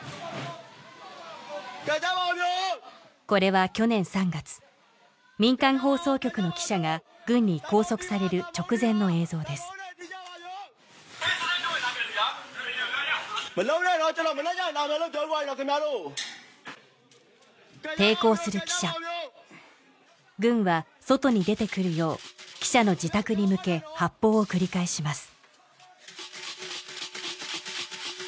これは去年３月民間放送局の記者が軍に拘束される直前の映像です抵抗する記者軍は外に出てくるよう記者の自宅に向け発砲を繰り返します